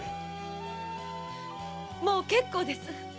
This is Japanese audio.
もう結構です。